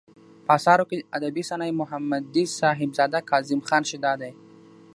په اثارو کې ادبي صنايع ، محمدي صاحبزداه ،کاظم خان شېدا دى.